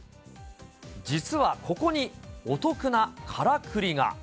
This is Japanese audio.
実はここにお得なからくりが。